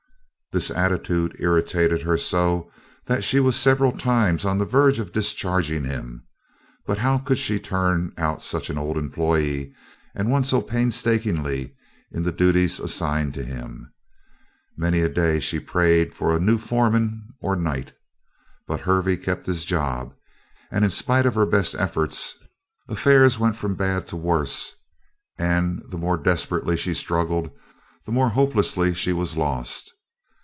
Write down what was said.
This attitude irritated her so that she was several times on the verge of discharging him, but how could she turn out so old an employee and one so painstaking in the duties assigned to him? Many a day she prayed for "a new foreman or night," but Hervey kept his job, and in spite of her best efforts, affairs went from bad to worse and the more desperately she struggled the more hopelessly she was lost.